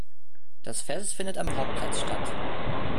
Das Fest findet am Hauptplatz statt.